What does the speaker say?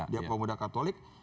dia pemuda katolik